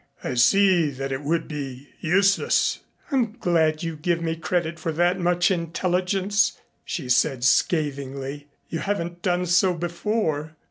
"I see that it would be useless." "I'm glad you give me credit for that much intelligence," she said scathingly. "You haven't done so before."